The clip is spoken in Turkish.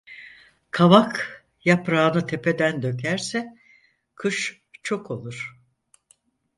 Kavak, yaprağını tepeden dökerse kış çok olur.